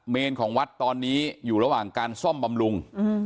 ของวัดตอนนี้อยู่ระหว่างการซ่อมบำรุง